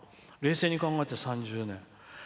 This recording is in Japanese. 冷静に考えて３０年。